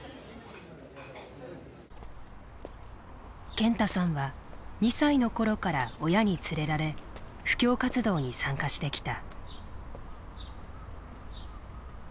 ケンタさんは２歳の頃から親に連れられ布教活動に参加してきた。